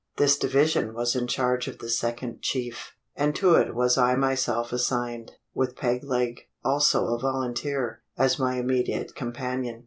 This division was in charge of the second chief; and to it was I myself assigned with Peg leg, also a volunteer, as my immediate companion.